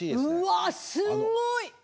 うわすごい！